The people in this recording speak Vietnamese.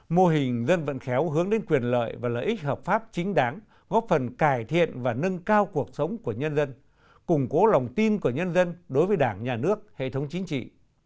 mô hình dân vận khéo hướng đến quyền lợi và lợi ích hợp pháp chính đáng góp phần cải thiện và nâng cao cuộc sống của nhân dân củng cố lòng tin của nhân dân đối với đảng nhà nước hệ thống chính trị